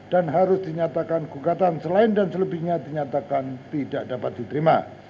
dan harus dinyatakan gugatan selain dan selebihnya dinyatakan tidak dapat diterima